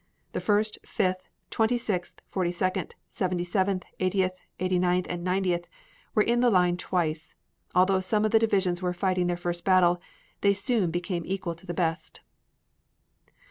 The First, Fifth, Twenty sixth, Forty second, Seventy seventh, Eightieth, Eighty ninth, and Ninetieth were in the line twice. Although some of the divisions were fighting their first battle, they soon became equal to the best.